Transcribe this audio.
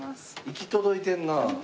行き届いてるな。